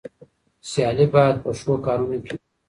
سيالي بايد په ښو کارونو کې وي.